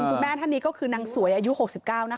คุณแม่ท่านนี้ก็คือนางสวยอายุ๖๙นะคะ